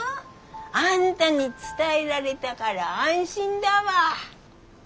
あんたに伝えられたから安心だわ。